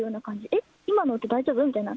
え、今のって大丈夫？みたいな。